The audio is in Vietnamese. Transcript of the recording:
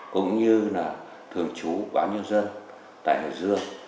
cũng như là thường trú báo nhân dân tại hải dương